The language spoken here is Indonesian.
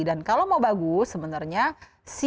dan kalau mau bagus sebenarnya si kondisi itu harus berhasil